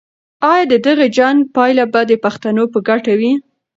آیا د دغه جنګ پایله به د پښتنو په ګټه وي؟